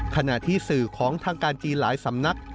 ขณะที่สื่อของทางการจีนหลายสำนัก